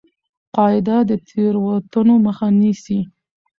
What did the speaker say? قاعده د تېروتنو مخه نیسي.